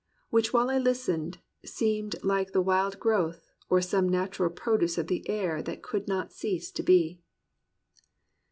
Which while I listened, seemed like the wild growth Or like some natural produce of the air That could not cease to fee."